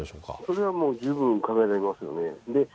それはもう十分考えられますよね。